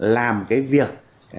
làm cái việc